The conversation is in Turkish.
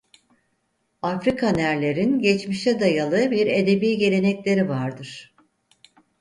Afrikanerlerin geçmişe dayalı bir edebi gelenekleri vardır.